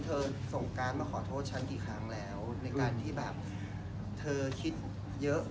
ส่งการ์ดมาขอโทษฉันกี่ครั้งแล้วในการที่แบบเธอคิดเยอะ